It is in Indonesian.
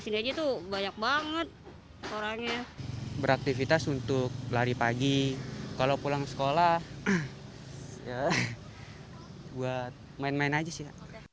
sini aja tuh banyak banget orangnya beraktivitas untuk lari pagi kalau pulang sekolah buat main main aja sih